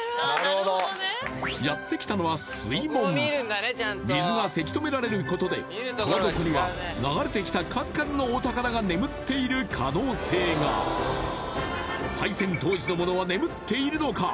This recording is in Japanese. やってきたのは水がせき止められることで川底には流れてきた数々のお宝が眠っている可能性が大戦当時のものは眠っているのか？